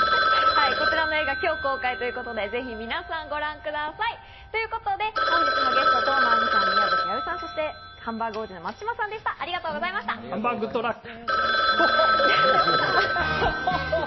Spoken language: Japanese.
こちらの映画、今日公開ということでぜひ皆さん、ご覧ください。ということで本日のゲスト、當真あみさん、宮崎あおいさん、そしてハンバーハンバーグッドラック！